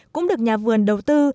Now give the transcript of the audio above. cũng được nhà vườn đầu tư